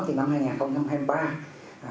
thì năm hai nghìn hai mươi ba